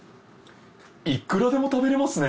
いくらでも食べられますね。